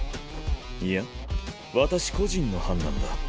いや私個人の判断だ。